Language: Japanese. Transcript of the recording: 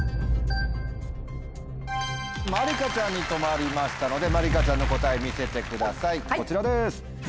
まりかちゃんに止まりましたのでまりかちゃんの答え見せてくださいこちらです。